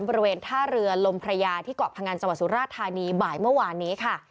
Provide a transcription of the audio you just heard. บริเวณท่าเรือลมพระยาที่เกาะพงันจังหวัดสุราธานีบ่ายเมื่อวานนี้ค่ะ